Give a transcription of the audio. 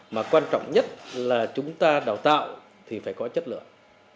mà quan trọng nhất là chúng ta đào tạo thì phải có chất lượng